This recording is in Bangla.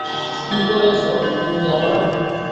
কী হয়েছে, তুমি জান না?